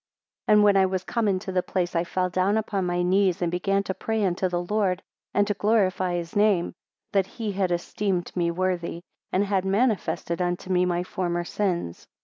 2 And when I was come into the place, I fell down upon my knees, and began to pray unto the Lord, and to glorify his name, that he had esteemed me worthy, and had manifested unto me my former sins.